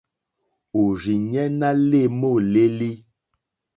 Òrzìɲɛ́ ná lê môlélí.